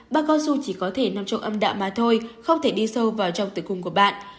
bà con dù chỉ có thể nằm trong âm đạo mà thôi không thể đi sâu vào trong tử cung của bạn